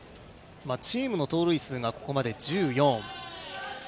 チームの盗塁数がここまで１４。